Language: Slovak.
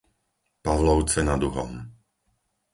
Pavlovce nad Uhom